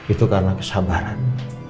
itu karena kesabaran